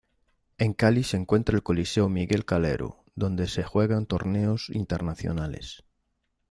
En Cali se encuentra el Coliseo Miguel Calero, donde se juegan torneos internacionales.